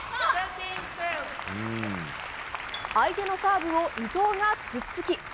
相手のサーブを伊藤がツッツキ。